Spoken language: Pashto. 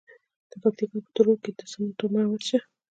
د پکتیکا په تروو کې د سمنټو مواد شته.